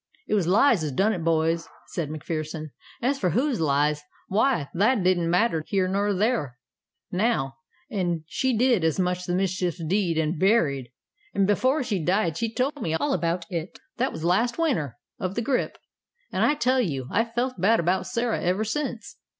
"It was lies as done it, boys," said MacPherson. "As for whose lies, why that ain't neither here nor there, now an' she as did the mischief's dead and buried and before she died she told me all about it. That was last winter of the grippe and I tell you I've felt bad about Sarah ever since.